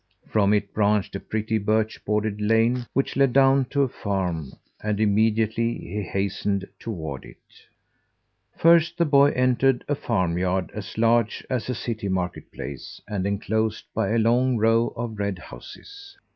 From it branched a pretty birch bordered lane, which led down to a farm, and immediately he hastened toward it. First the boy entered a farm yard as large as a city marketplace and enclosed by a long row of red houses.